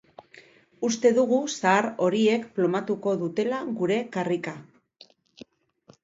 Uste dugu zahar horiek plomatuko dutela gure karrika.